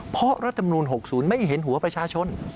เพราะรัฐมนูล๖๐ไม่เห็นหัวประชาชน